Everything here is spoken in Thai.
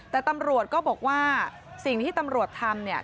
แต่ตำรวจก็บอกว่าสิ่งที่ตำรวจทำเนี่ย